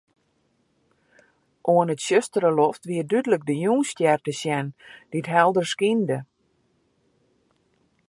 Oan 'e tsjustere loft wie dúdlik de Jûnsstjer te sjen, dy't helder skynde.